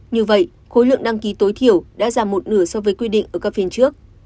như vậy khối lượng đăng ký tối thiểu đã giảm một nửa so với quy định ở các phiên trước